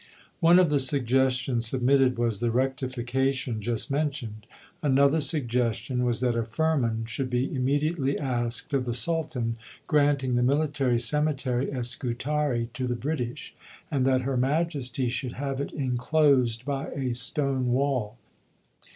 One of the suggestions submitted was the rectification just mentioned. Another suggestion was that a Firman should be immediately asked of the Sultan granting the military cemetery at Scutari to the British, and that Her Majesty should have it enclosed by a stone wall.